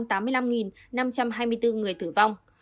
trong đó hai tám mươi năm năm trăm hai mươi bốn người tử vong